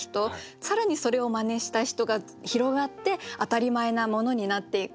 更にそれを真似した人が広がって当たり前なものになっていく。